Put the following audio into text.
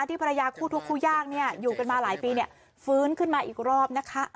ภรรยาคู่ทุกคู่ยากเนี่ยอยู่กันมาหลายปีฟื้นขึ้นมาอีกรอบนะคะ